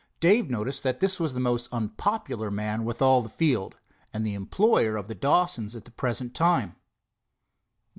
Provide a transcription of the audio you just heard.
Dave noticed that this was the most unpopular man with all the field, and the employer of the Dawsons at the present time.